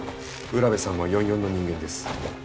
占部さんは４４の人間です。